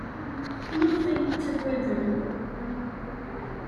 Maɣef ay iyi-ttaggaden?